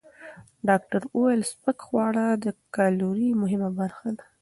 ډاکټره وویل، سپک خواړه د کالورۍ مهمه برخه دي.